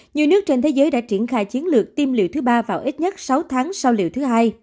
nhiều nước trên thế giới đã triển khai chiến lược tiêm liệu thứ ba vào ít nhất sáu tháng sau liệu thứ hai